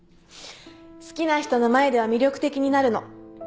好きな人の前では魅力的になるの。